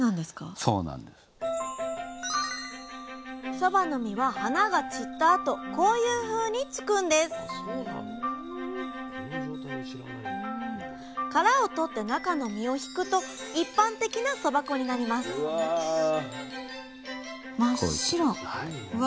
そばの実は花が散ったあとこういうふうに付くんです殻を取って中の実をひくと一般的なそば粉になりますえ